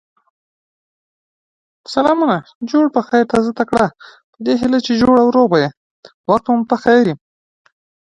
Riders travel through parts of the Huron National Forest overlooking the Comins Creek valley.